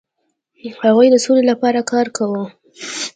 هغوی د سولې لپاره کار کاوه.